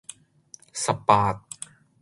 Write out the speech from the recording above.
十八